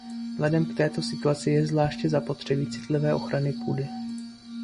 Vzhledem k této situaci je zvláště zapotřebí citlivé ochrany půdy.